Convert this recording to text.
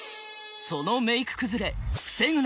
そのメイク崩れ防ぐ！